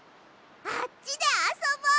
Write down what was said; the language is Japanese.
あっちであそぼう！